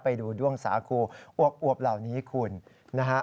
ไปดูด้วงสาคูอวบเหล่านี้คุณนะฮะ